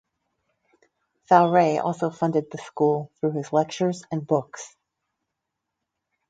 Faure also funded the school through his lectures and books.